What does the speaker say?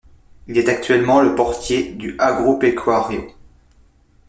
Il est actuellement le portier du Agropecuario.